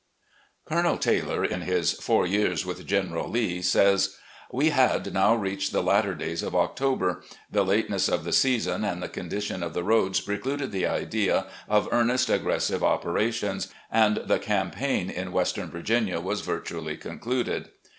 Colonel Taylor, in his "Four Years with General Lee," says; " We had now reached the latter days of October. The lateness of the season and the condition of the roads precluded the idea of earnest, aggressive operations, and the campaign in western Virginia was virtually concluded.